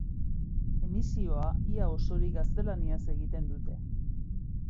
Emisioa ia osorik gaztelaniaz egiten dute.